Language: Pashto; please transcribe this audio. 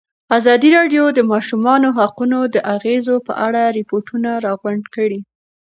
ازادي راډیو د د ماشومانو حقونه د اغېزو په اړه ریپوټونه راغونډ کړي.